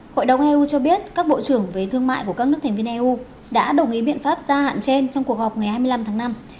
hội đồng eu cho biết các bộ trưởng về thương mại của các nước thành viên eu đã đồng ý biện pháp gia hạn trên trong cuộc họp ngày hai mươi năm tháng năm